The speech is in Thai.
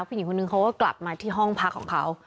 ผู้หญิงคนนึงเขาก็กลับมาที่ห้องพักของเขา